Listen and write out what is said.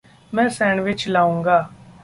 मैं सैंडविच लाऊँगा।